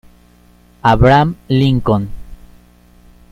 Abraham Lincoln.